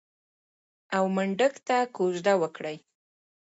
او منډک ته کوژده وکړي.